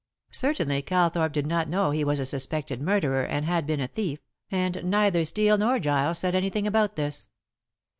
Certainly Calthorpe did not know he was a suspected murderer and had been a thief, and neither Steel nor Giles said anything about this.